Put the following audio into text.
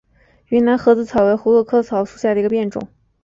云南盒子草为葫芦科盒子草属下的一个变种。